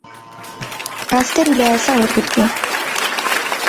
ماستەری لە یاسا وەرگرتووە.